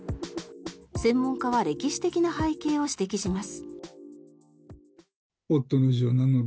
専門家は歴史的な背景を指摘します。